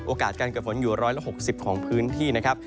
โอกาสการเกิดฝนอยู่ร้อยละ๖๐ของพื้นที่นะครับ